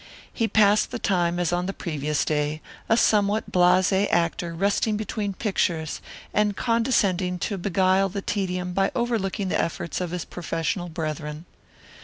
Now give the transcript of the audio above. He passed the time as on the previous day, a somewhat blase actor resting between pictures, and condescending to beguile the tedium by overlooking the efforts of his professional brethren.